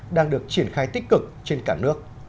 đang được triển khai tích cực trên cả nước